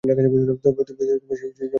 তবে সেও একটা ভুল করে ফেলেছে।